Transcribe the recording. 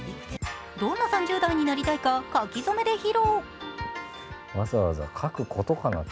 どんな３０代になりたいか書き初めで披露。